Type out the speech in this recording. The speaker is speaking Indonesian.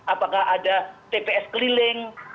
apakah ada tps keliling